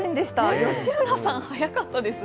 吉村さん、早かったですね。